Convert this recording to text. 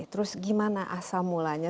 terus gimana asal mulanya